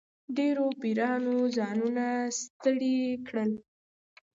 ډېرو پیرانو ځانونه ستړي کړل.